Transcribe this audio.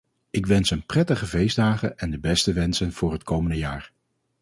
Ik wens hem prettige feestdagen en de beste wensen voor het komende jaar.